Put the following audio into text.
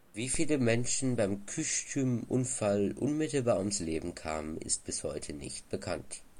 Wie viele Menschen beim „Kyschtym-Unfall“ unmittelbar ums Leben kamen, ist bis heute nicht bekannt.